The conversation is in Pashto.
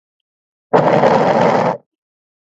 بزګان د افغانستان د اقتصادي منابعو ارزښت زیاتوي.